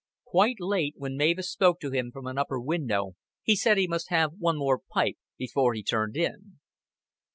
Quite late, when Mavis spoke to him from an upper window, he said he must have one more pipe before he turned in.